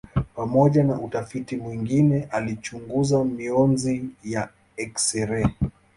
Pamoja na utafiti mwingine alichunguza mionzi ya eksirei.